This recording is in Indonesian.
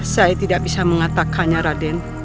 saya tidak bisa mengatakannya raden